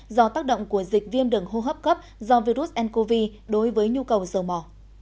do tác động của dịch viêm đường hô hấp cấp do virus ncov đối với nhu cầu dầu mỏ